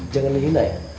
jangan lihin aja